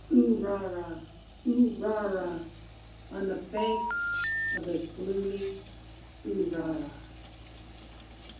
Urara! Urara! On the banks of the gloomy Urara!